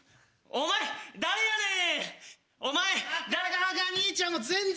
お前誰やねん？